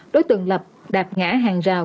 đối tượng lập đạp ngã hàng rào